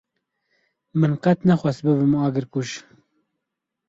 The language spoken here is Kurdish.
Min qet nexwest bibim agirkuj.